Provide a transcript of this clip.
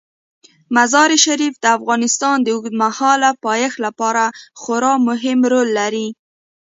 مزارشریف د افغانستان د اوږدمهاله پایښت لپاره خورا مهم رول لري.